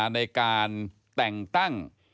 ในการแต่งตั้ง